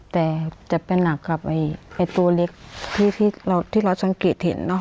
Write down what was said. แต่จะเป็นหนักกับตัวเล็กที่เราสังเกตเห็นเนอะ